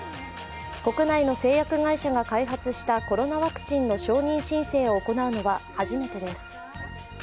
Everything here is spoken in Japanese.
国内の製薬会社が開発したコロナワクチンの承認申請を行うのは初めてです。